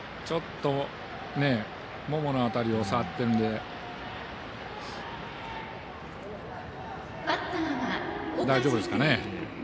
ちょっとももの辺りを触ってるので大丈夫ですかね。